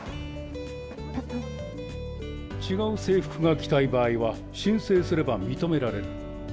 違う制服が着たい場合は、申請すれば認められる。